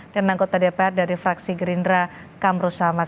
dan anggota dpr dari fraksi gerindra kamru samad